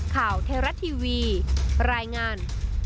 ข่าวเทราะทีวีรายงาน